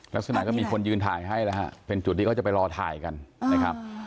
ลักษณะก็มีคนยืนถ่ายให้แล้วฮะเป็นจุดที่เขาจะไปรอถ่ายกันนะครับ